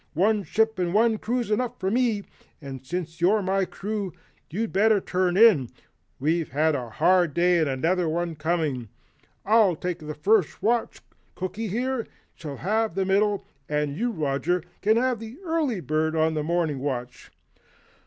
One ship and one crew's enough for me, and since you're my crew, you'd better turn in we've had a hard day and another one coming. I'll take first watch, Cooky, here, shall have middle, and you Roger can be the early bird on morning watch."